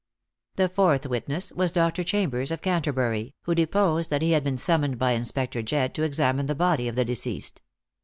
The fourth witness was Dr. Chambers, of Canterbury, who deposed that he had been summoned by Inspector Jedd to examine the body of the deceased.